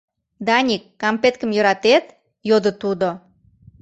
— Даник, кампеткым йӧратет? — йодо тудо.